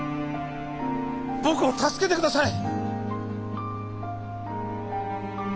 僕を助けてください！